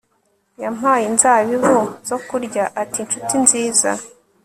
yampaye inzabibu zo kurya, ati 'nshuti nziza